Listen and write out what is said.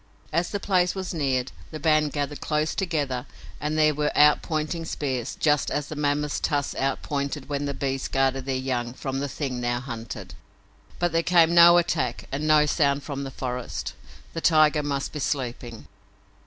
As the place was neared the band gathered close together and there were outpointing spears, just as the mammoths' tusks outpointed when the beasts guarded their young from the thing now hunted. But there came no attack and no sound from the forest. The tiger must be sleeping.